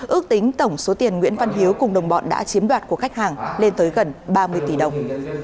ước tính tổng số tiền nguyễn văn hiếu cùng đồng bọn đã chiếm đoạt của khách hàng lên tới gần ba mươi tỷ đồng